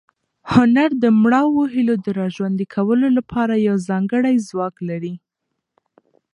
هنر د مړاوو هیلو د راژوندي کولو لپاره یو ځانګړی ځواک لري.